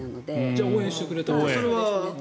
じゃあ応援してくれたんだ。